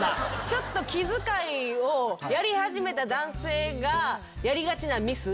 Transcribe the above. ちょっと気遣いをやり始めた男性がやりがちなミス。